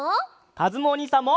かずむおにいさんも！